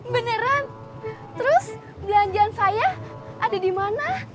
beneran terus belanjaan saya ada di mana